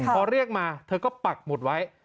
พอเรียกมาเธอก็ปักหมุดไว้